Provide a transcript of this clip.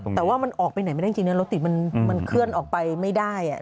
ตรงนี้แต่ว่ามันออกไปไหนไม่ได้จริงจริงเนี่ยรถติดมันมันเคลื่อนออกไปไม่ได้อ่ะ